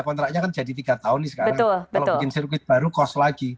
kontraknya kan jadi tiga tahun nih sekarang kalau bikin sirkuit baru cost lagi